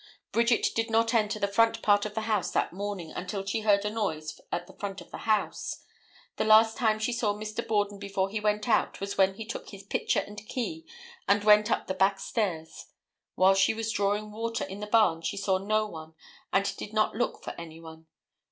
Bridget did not enter the front part of the house that morning until she heard a noise at the front door; the last time she saw Mr. Borden before he went out was when he took his pitcher and key and went up the back stairs; while she was drawing water in the barn, she saw no one and did not look for any one.